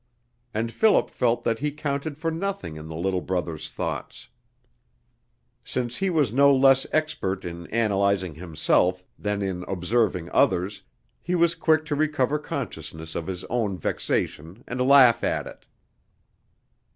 And Philip felt that he counted for nothing in the little brother's thoughts. Since he was no less expert in analyzing himself than in observing others, he was quick to recover consciousness of his own vexation and laugh at it.